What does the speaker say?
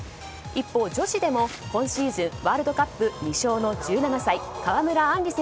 一方、女子でも今シーズンワールドカップ２勝の１７歳川村あん